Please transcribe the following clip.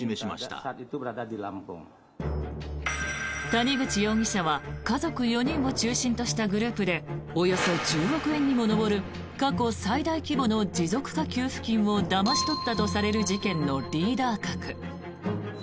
谷口容疑者は家族４人を中心としたグループでおよそ１０億円にも上る過去最大規模の持続化給付金をだまし取ったとされる事件のリーダー格。